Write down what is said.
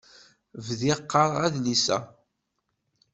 Bdiɣ qqareɣ adlis-a.